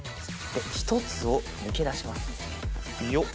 １つを抜き出しますよっ